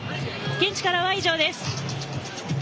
現地からは以上です。